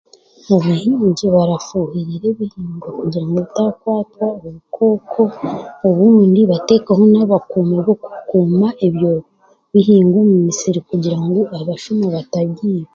Abahingi barafuuhirira ebihingwa kugira ngu bitaakwatwa obukooko obundi bateho abakuumi b'okukuma ebihingwa omu musiri kugira ngu abashuma batabiiba.